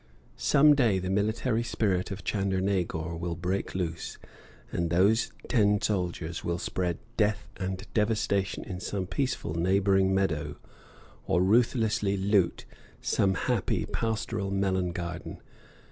Some day the military spirit of Chandernagor will break loose, and those ten soldiers will spread death and devastation in some peaceful neighboring meadow, or ruthlessly loot some happy, pastoral melon garden.